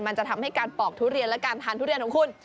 มันจะทำให้การปอกทุเรียนและการทานทุเรียนของคุณ